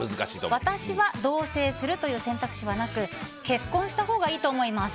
私は同棲するという選択肢はなく結婚したほうがいいと思います。